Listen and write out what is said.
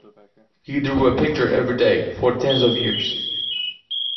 He drew a picture every day for tens of years.